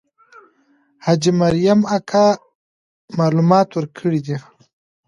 حاجي مریم اکا معلومات ورکړي دي.